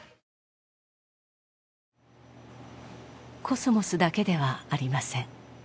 コスモスだけではありません。